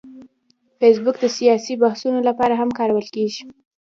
فېسبوک د سیاسي بحثونو لپاره هم کارول کېږي